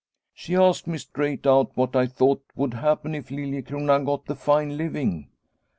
She asked me straight out what I thought would happen if Liliecrona got the fine living.